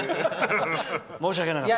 申し訳なかった。